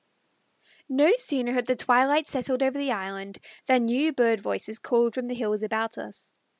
No sooner had the twilight settled over the island than new bird voices called from the hills about us.